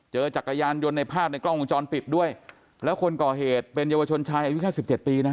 จักรยานยนต์ในภาพในกล้องวงจรปิดด้วยแล้วคนก่อเหตุเป็นเยาวชนชายอายุแค่สิบเจ็ดปีนะฮะ